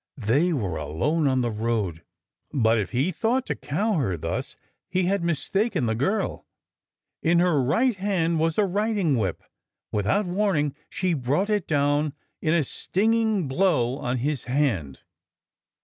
They were alone on the road. But if he thought to cow her thus, he had mistaken the girl. In her right hand was a riding whip. Without warning, she brought it down in a stinging blow on his hand.